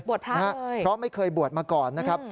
เพราะไม่เคยบวชมาก่อนนะครับ